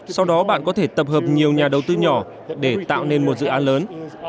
sau đó bạn có thể tập hợp nhiều nhà đầu tư nhỏ để tạo nên một dự án lớn